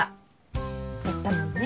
言ったもんね。